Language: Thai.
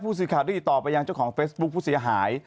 ผู้ศึกฆาตด้วยอีกต่อไป